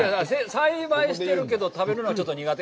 栽培してるけど、食べるのはちょっと苦手。